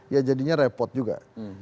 ya jadinya repot juga